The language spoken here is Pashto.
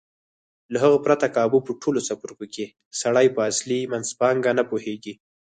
له هغه پرته کابو په ټولو څپرکو کې سړی په اصلي منځپانګه نه پوهېږي.